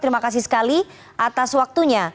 terima kasih sekali atas waktunya